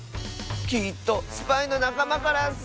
きっとスパイのなかまからッス！